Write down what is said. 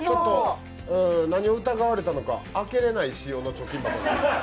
何を疑われたのか、開けられない仕様の貯金箱に。